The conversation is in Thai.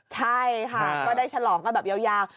ใช่ค่ะก็ได้ฉลองกันแบบยาว